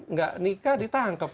nggak nikah ditangkep